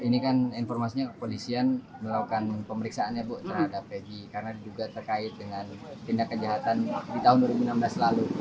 ini kan informasinya kepolisian melakukan pemeriksaan ya bu terhadap egy karena juga terkait dengan tindak kejahatan di tahun dua ribu enam belas lalu